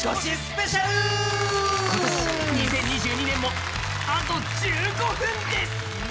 今年２０２２年もあと１５分です！